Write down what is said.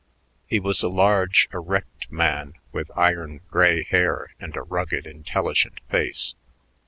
He was a large, erect man with iron gray hair and a rugged intelligent face.